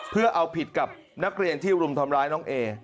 เพื่อเอาผิดกับนักเรียนที่รุมทำร้ายน้องเอ